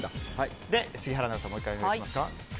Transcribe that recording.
杉原アナウンサーもう１回お願いします。